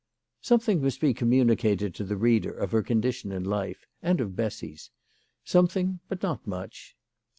Something must be communicated to the reader of her condition in life, and of Bessy's ; something, but not much.